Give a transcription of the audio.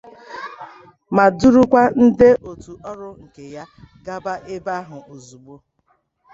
ma durukwazie ndị òtù ọrụ nke ya gaba ebe ahụ ozigbo.